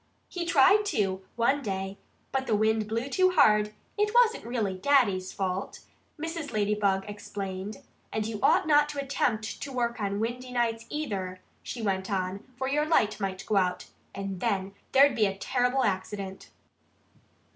"He tried to, one day. But the wind blew too hard. ... It wasn't really Daddy's fault," Mrs. Ladybug explained. "And you ought not to attempt to work on windy nights, either," she went on. "For your light might go out, and then there'd be a terrible accident."